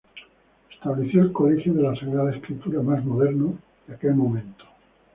Estableció el colegio de la sagrada escritura más moderno de aquel momento.